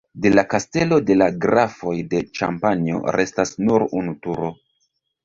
De la kastelo de la Grafoj de Ĉampanjo restas nur unu turo.